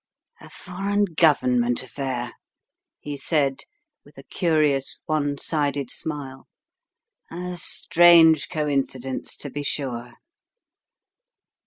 "A foreign government affair," he said with a curious one sided smile. "A strange coincidence, to be sure!"